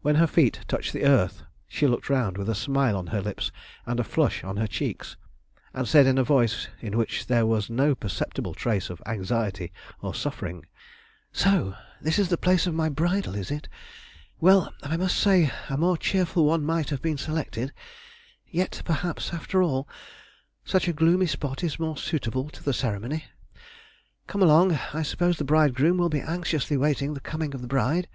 When her feet touched the earth she looked round with a smile on her lips and a flush on her cheeks, and said, in a voice in which there was no perceptible trace of anxiety or suffering "So this is the place of my bridal, is it? Well, I must say that a more cheerful one might have been selected; yet perhaps, after all, such a gloomy spot is more suitable to the ceremony. Come along; I suppose the bridegroom will be anxiously waiting the coming of the bride.